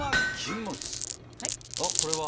あこれは。